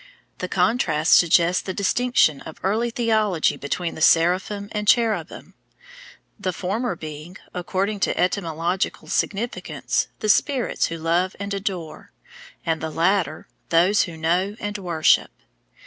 The contrast suggests the distinction of early theology between the seraphim and cherubim, the former being, according to etymological significance, the spirits who love and adore, and the latter, those who know and worship.